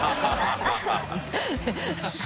ハハハ